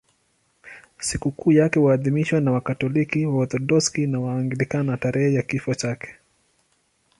Sikukuu yake huadhimishwa na Wakatoliki, Waorthodoksi na Waanglikana tarehe ya kifo chake.